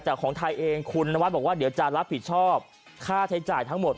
แต่ของไทยเองคุณนวัดบอกว่าเดี๋ยวจะรับผิดชอบค่าใช้จ่ายทั้งหมด